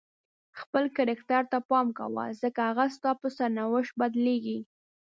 خپل کرکټر ته پام کوه ځکه هغه ستا په سرنوشت بدلیږي.